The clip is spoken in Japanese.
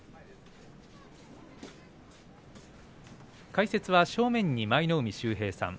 解説は、正面に舞の海秀平さん。